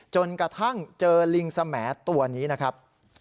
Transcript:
จนกระทั่งเจอลิงสแหมดตัวนี้นะครับ